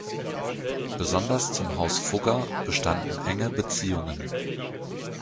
Besonders zum Haus Fugger bestanden enge Beziehungen.